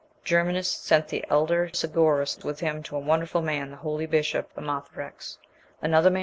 Germanus "sent the elder Segerus with him to a wonderful man, the holy bishop Amathearex." Another MS.